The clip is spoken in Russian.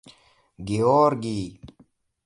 Георгий